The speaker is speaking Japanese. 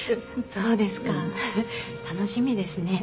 そうですかふふっ楽しみですね